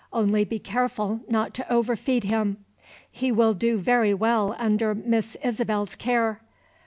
Only be careful not to overfeed him. He will do very well under Miss Isabel's care.